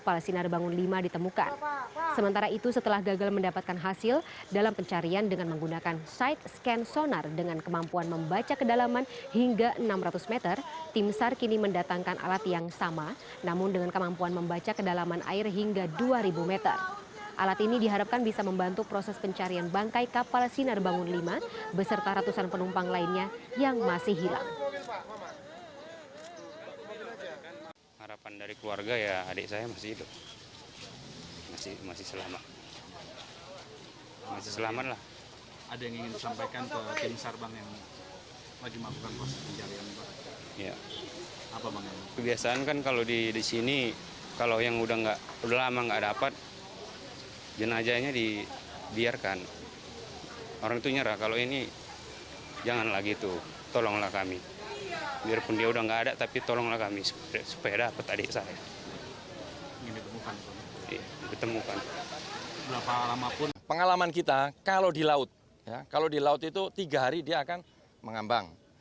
pengalaman kita kalau di laut kalau di laut itu tiga hari dia akan mengambang